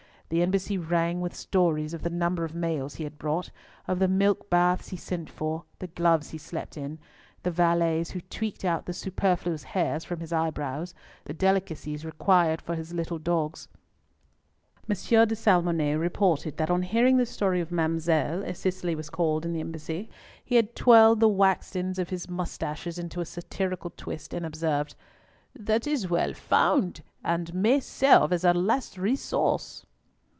The Embassy rang with stories of the number of mails he had brought, of the milk baths he sent for, the gloves he slept in, the valets who tweaked out superfluous hairs from his eyebrows, the delicacies required for his little dogs. M. de Salmonnet reported that on hearing the story of "Mademoiselle," as Cicely was called in the Embassy, he had twirled the waxed ends of his moustaches into a satirical twist, and observed, "That is well found, and may serve as a last resource."